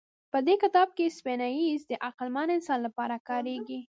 په دې کتاب کې سیپینز د عقلمن انسان لپاره کارېږي.